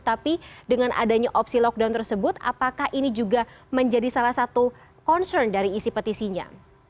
tapi dengan adanya opsi lockdown tersebut apakah ini juga menjadi salah satu concern dari isi petisinya